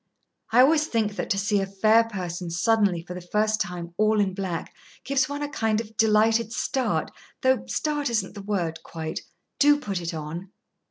I always think that to see a fair person suddenly for the first time all in black gives one a kind of delighted start though start isn't the word, quite. Do put it on."